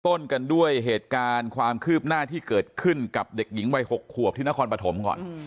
ต้นกันด้วยเหตุการณ์ความคืบหน้าที่เกิดขึ้นกับเด็กหญิงวัย๖ขวบที่นครปฐมก่อน